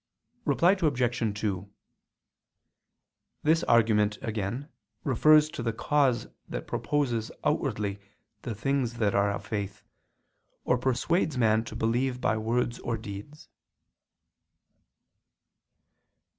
Reply Obj. 2: This argument again refers to the cause that proposes outwardly the things that are of faith, or persuades man to believe by words or deeds.